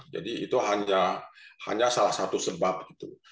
jadi itu hanya salah satu sebab gitu